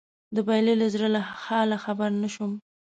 د بايللي زړه له حاله خبر نه شوم